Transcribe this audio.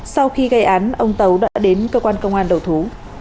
sau khi gây án ông tấu đã đến cơ quan công an đầu thú